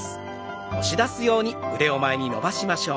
押し出すように前に伸ばしましょう。